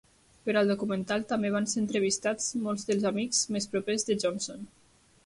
Per al documental també van ser entrevistats molts dels amics més propers de Johnson.